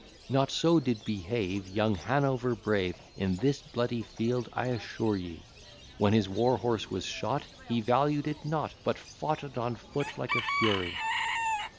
Not so did behave Young Hanover brave, In this bloody field I assure ye: When his war horse was shot He valued it not, But fought it on foot like a fury.